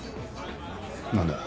何だ？